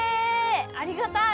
ありがたい！